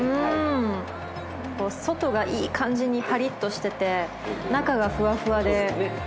外がいい感じにパリッとしてて中がふわふわで。